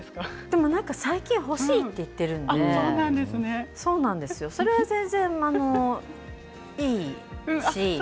最近欲しいと言っているのでそれは全然いいし。